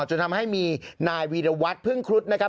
จนทำให้มีนายวีรวัตรพึ่งครุฑนะครับ